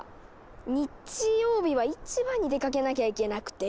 日曜日は市場に出かけなきゃいけなくて。